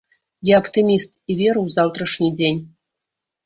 Я аптыміст і веру ў заўтрашні дзень.